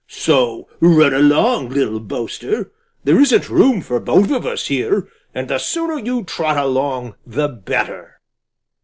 So run along, little boaster! There isn't room for both of us here, and the sooner you trot along the better."